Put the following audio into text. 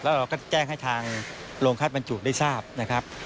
แล้วเราก็แจ้งให้ทางโรงคัดบรรจุได้ทราบนะครับ